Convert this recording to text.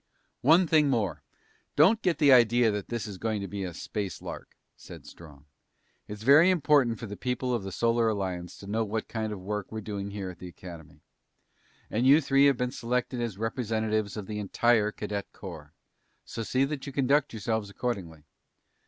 "One thing more! Don't get the idea that this is going to be a space lark," said Strong. "It's very important for the people of the Solar Alliance to know what kind of work we're doing here at the Academy. And you three have been selected as representatives of the entire Cadet Corps. So see that you conduct yourselves accordingly.